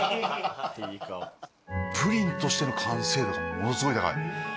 プリンとしての完成度がものすごい高い。